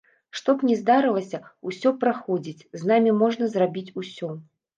Што б ні здаралася, усё праходзіць, з намі можна зрабіць усё.